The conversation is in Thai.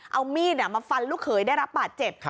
เอามีดมาฟันลูกเขยได้รับบาดเจ็บ